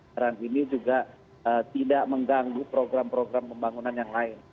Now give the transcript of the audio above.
karena ini juga tidak mengganggu program program pembangunan yang lain